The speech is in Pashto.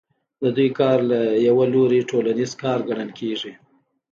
د دوی کار له یوه لوري ټولنیز کار ګڼل کېږي